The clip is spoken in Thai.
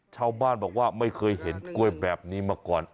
ชาวบ้านบอกว่าไม่เคยเห็นกล้วยแบบนี้มาก่อน